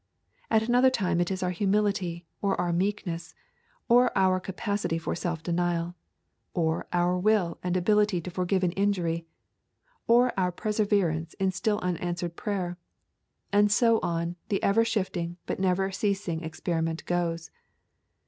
At another time it is our humility, or our meekness, or our capacity for self denial, or our will and ability to forgive an injury, or our perseverance in still unanswered prayer; and so on the ever shifting but never ceasing experiment goes.